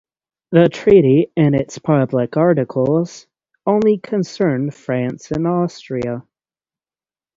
The treaty, in its public articles, only concerned France and Austria.